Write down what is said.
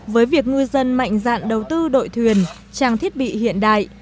với việc ngư dân mạnh dạn đầu tư đội thuyền trang thiết bị hiện đại